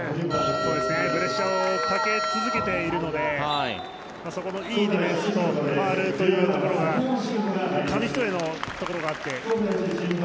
プレッシャーをかけ続けているのでそこのいいディフェンスとファウルというところが紙一重のところがあって。